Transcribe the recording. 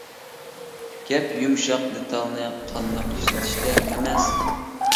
گەپ يۇمشاق دېتالنى قانداق ئىشلىتىشتە ئەمەس.